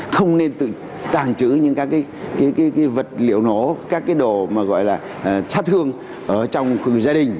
không nên tàn trữ những cái vật liệu nổ các cái đồ mà gọi là sát thương ở trong gia đình